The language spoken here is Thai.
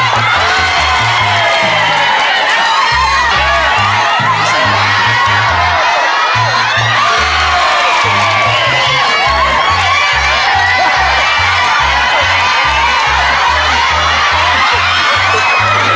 ภายในเวลา๖๕๙